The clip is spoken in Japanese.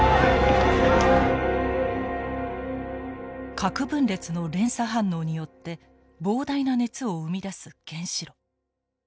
核分裂の連鎖反応によって膨大な熱を生み出す原子炉。